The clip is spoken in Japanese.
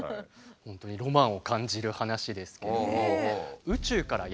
本当にロマンを感じる話ですけれども。